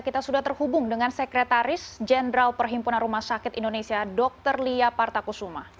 kita sudah terhubung dengan sekretaris jenderal perhimpunan rumah sakit indonesia dr lia partakusuma